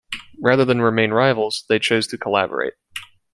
Rather than remain rivals, they chose to collaborate.